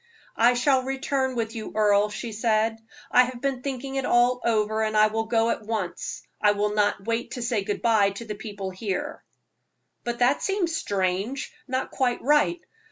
"I shall return with you, Earle," she said. "I have been thinking it all over, and I will go at once. I will not wait to say good bye to the people here." "But that seems strange not quite right.